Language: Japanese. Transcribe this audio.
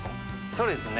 そうですね。